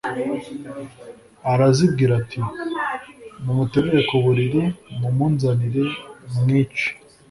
arazibwira ati “Mumuterure ku buriri mumunzanire mwice.